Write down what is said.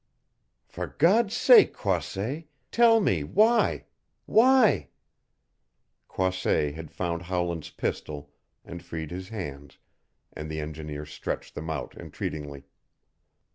"For God's sake, Croisset, tell me why why " Croisset had found Howland's pistol and freed his hands, and the engineer stretched them out entreatingly.